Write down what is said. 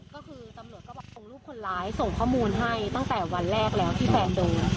ก็คือตำรวจก็บอกคงรูปคนร้ายส่งข้อมูลให้ตั้งแต่วันแรกแล้วที่แฟนโดน